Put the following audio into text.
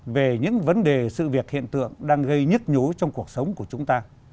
về những vấn đề sự việc hiện tượng đang gây nhức nhối trong cuộc sống của chúng ta